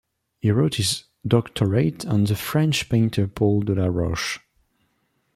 He wrote his doctorate on the French painter Paul Delaroche.